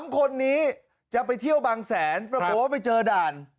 ๓คนนี้จะไปเที่ยวบางแสนปรากฏว่าไปเจอด่าน